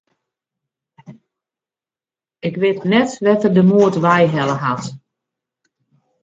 Ik wit net wêr't er de moed wei helle hat.